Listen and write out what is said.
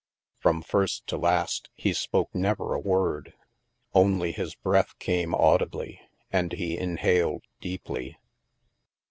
From first to last, he spoke never a word. Only his breath came audibly, and he inhaled deeply.